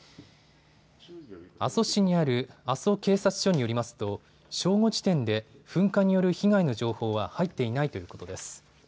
阿蘇市にある阿蘇警察署によりますと正午時点で噴火による被害の情報は入っていないということです。